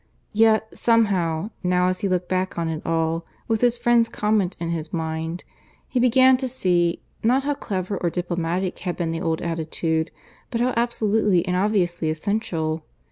Yet, somehow, now as he looked back on it all, with his friend's comment in his mind, he began to see, not how clever or diplomatic had been the old attitude, but how absolutely and obviously essential.